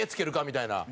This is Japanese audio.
みたいな。